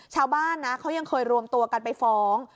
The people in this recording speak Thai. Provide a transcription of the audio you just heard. ชาวบ้านนะเขายังเคยรวมตัวกันไปฟ้อง